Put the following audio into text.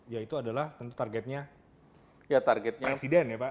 ya itu adalah tentu targetnya presiden ya pak